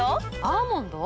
アーモンド？